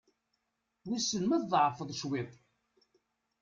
Wissen ma tḍeɛfeḍ cwiṭ?